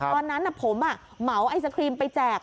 ตอนนั้นผมเหมาไอศครีมไปแจก